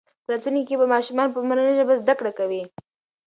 په راتلونکي کې به ماشومان په مورنۍ ژبه زده کړه کوي.